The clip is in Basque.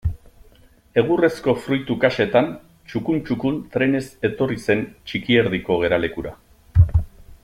Egurrezko fruitu kaxetan txukun-txukun trenez etorri zen Txikierdiko geralekura.